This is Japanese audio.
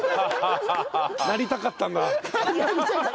「なりたかったんだ」。